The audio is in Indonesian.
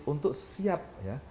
untuk siap ya